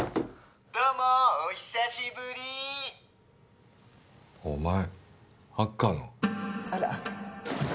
どうもーお久しぶりお前ハッカーのあら